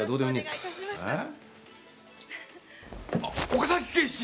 岡崎警視！